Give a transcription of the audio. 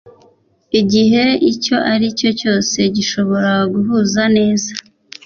Igihe icyo ari cyo cyose gishobora guhuza neza